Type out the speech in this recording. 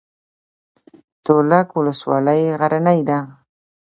تولک ولسوالۍ غرنۍ ده؟